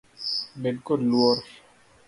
Bed kod luor .